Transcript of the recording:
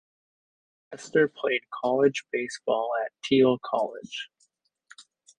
Chester played college baseball at Thiel College.